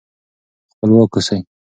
خپلواک اوسئ.